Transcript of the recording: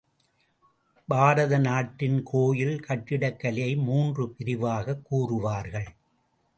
பாரத நாட்டின் கோயில் கட்டிடக் கலையை மூன்று பிரிவாகக் கூறுவார்கள.